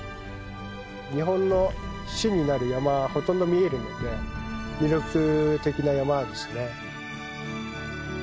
日本の主になる山ほとんど見えるので魅力的な山ですね。